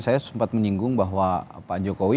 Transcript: saya sempat menyinggung bahwa pak jokowi